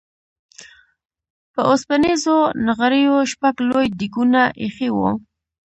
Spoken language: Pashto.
په اوسپنيزو نغريو شپږ لوی ديګونه اېښي وو.